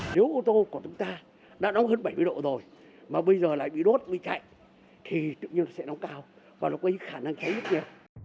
nếu ô tô của chúng ta đã nóng hơn bảy mươi độ rồi mà bây giờ lại bị đốt bị chạy thì tự nhiên sẽ nóng cao và nó có những khả năng cháy nhất nhé